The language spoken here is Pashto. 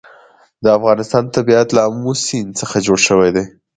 د افغانستان طبیعت له آمو سیند څخه جوړ شوی دی.